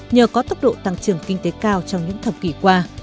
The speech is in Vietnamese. nhờ có tốc độ tăng trưởng kinh tế cao trong những thập kỷ qua